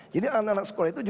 jadi anak anak sekolah itu